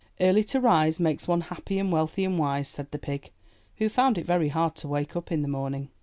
"Early to rise makes one happy and wealthy and wise," said the pig, who found it very hard to wake up in the morning.